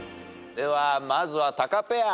ではまずはタカペア。